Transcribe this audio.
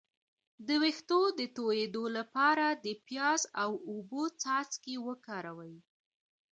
د ویښتو د تویدو لپاره د پیاز او اوبو څاڅکي وکاروئ